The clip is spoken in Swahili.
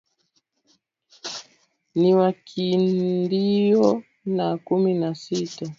ni wa Kiindio na kumi na sita